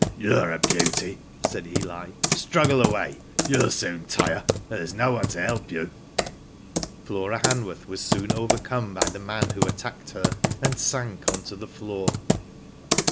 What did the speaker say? You're a beauty," said Eli. " Struggle away, you'll soon tire, and there's no one to help you." Flora Han worth was soon overcome by the man who attacked her and sank on to the floor.